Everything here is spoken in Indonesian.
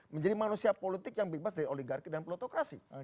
menjadi manusia politik yang bebas dari oligarki dan plotokrasi